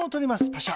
パシャ。